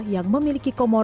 yang memiliki komoran